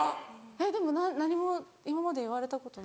えっでも何も今まで言われたことない。